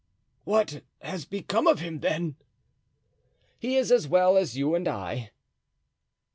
"What has become of him, then?" "He is as well as you and I."